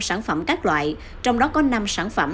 sản phẩm các loại trong đó có năm sản phẩm